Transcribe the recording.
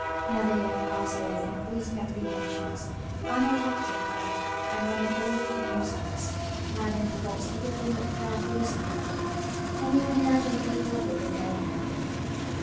Another year passed away with increasing apprehensions. Ann had a hectic cough, and many unfavourable prognostics: Mary then forgot every thing but the fear of losing her, and even imagined that her recovery would have made her happy.